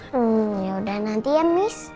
hmm yaudah nanti ya miss